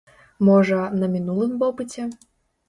Можа, на мінулым вопыце?